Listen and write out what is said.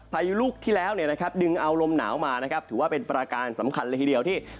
พายุลูกที่แล้วเนี่ยนะครับดึงเอาลมหนาวมานะครับถือว่าเป็นประการสำคัญเลยทีเดียวที่